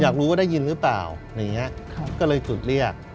อยากรู้ว่าได้ยินหรือเปล่าอย่างเงี้ยครับก็เลยจุดเรียก